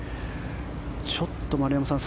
ちょっと丸山さん